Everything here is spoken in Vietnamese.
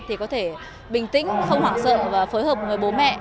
thì có thể bình tĩnh không hoảng sợ và phối hợp với bố mẹ